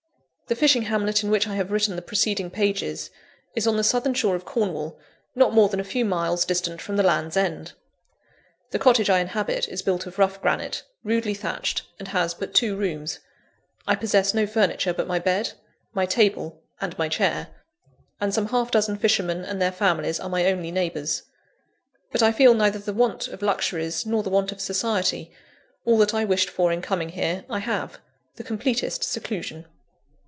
The fishing hamlet in which I have written the preceding pages, is on the southern shore of Cornwall, not more than a few miles distant from the Land's End. The cottage I inhabit is built of rough granite, rudely thatched, and has but two rooms. I possess no furniture but my bed, my table, and my chair; and some half dozen fishermen and their families are my only neighbours. But I feel neither the want of luxuries, nor the want of society: all that I wished for in coming here, I have the completest seclusion.